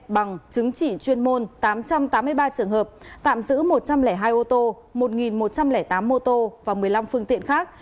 bằng chứng chỉ chuyên môn tám trăm tám mươi ba trường hợp tạm giữ một trăm linh hai ô tô một một trăm linh tám mô tô và một mươi năm phương tiện khác